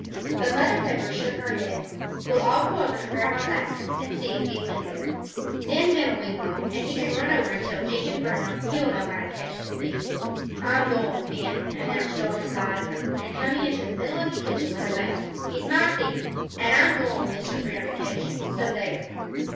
But Mother Pepper shook her head. "We'll all go over to Grandma Bascom's and see if he went there. Then Ben'll be home, and he can run over and tell Deacon Brown. He'll know how to catch the thief." "I'm goin' with Ben," announced Joel, decidedly, and coming into the middle of the kitchen with a bound. "He's my thief. An' I'm goin' with Mr. Brown to catch him. So there!"